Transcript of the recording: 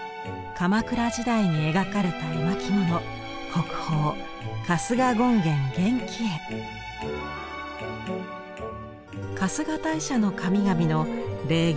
鎌倉時代に描かれた絵巻物春日大社の神々の霊験